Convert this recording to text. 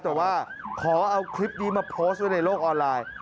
แต่ว่าขอเอาคลิปนี้มาโพสต์ไว้ในโลกออนไลน์